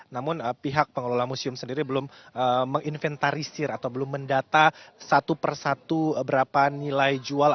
namun pihak pengelola museum sendiri belum menginventarisir atau belum mendata satu persatu berapa nilai jual